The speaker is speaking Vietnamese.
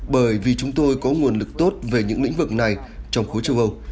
bởi vì chúng tôi có nguồn lực tốt về những lĩnh vực này trong khối châu âu